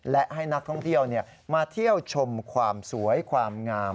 และให้นักท่องเที่ยวมาเที่ยวชมความสวยความงาม